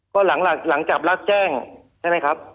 ก็หลังจากรับแจ้งใช่ไหมครับ